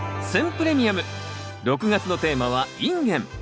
プレミアム６月のテーマは「インゲン」。